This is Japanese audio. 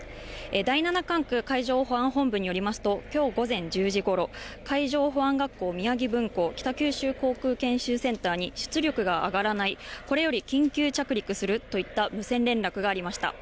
第７管区海上保安本部によりますと、きょう午前１０時ごろ、海上保安学校宮城分校北九州航空研修センターに出力が上がらない、これより緊急着陸するといった無線連絡がありました。